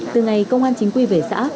từ ngày công an chính quy về xã